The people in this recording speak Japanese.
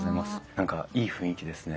何かいい雰囲気ですね。